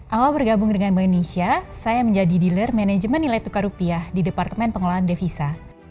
awal bergabung dengan bank indonesia saya menjadi dealer manajemen nilai tukar rupiah di departemen pengelolaan devisa